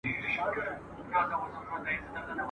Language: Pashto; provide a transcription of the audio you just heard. بیا به ګل بیا به بلبل وی شالمار به انار ګل وي ..